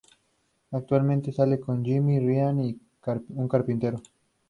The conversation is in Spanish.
Actualmente sale con Jimmy Ryan, un carpintero.